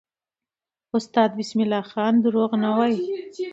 استاد بسم الله خان دروغ نه وایي.